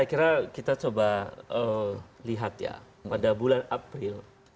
kita coba lihat ya pada bulan april